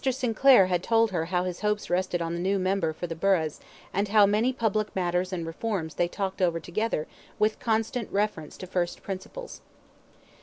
Sinclair had told her how his hopes rested on the new member for the burghs, and how many public matters and reforms they talked over together with constant reference to first principles.